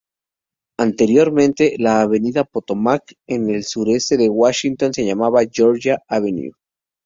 Anteriormente, la avenida Potomac en el Sureste de Washington se llamaba Georgia Avenue.